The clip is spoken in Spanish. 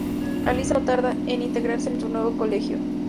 Alisa no tarda en integrarse en su nuevo colegio.